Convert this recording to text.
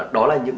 đó là những